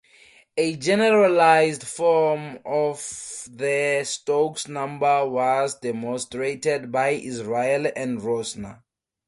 A generalized form of the Stokes number was demonstrated by Israel and Rosner.